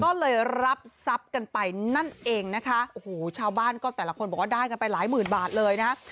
ก็เลยรับทรัพย์กันไปนั่นเองนะคะโอ้โหชาวบ้านก็แต่ละคนบอกว่าได้กันไปหลายหมื่นบาทเลยนะฮะ